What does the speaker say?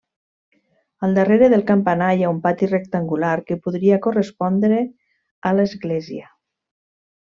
Al darrere del campanar hi ha un pati rectangular que podria correspondre a l'església.